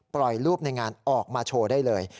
ปล่อยรูปในงานออกมาโชว์ได้เลย